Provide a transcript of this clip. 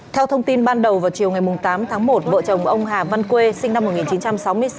theo thông tin ban đầu vào chiều ngày tám tháng một vợ chồng ông hà văn quê sinh năm một nghìn chín trăm sáu mươi sáu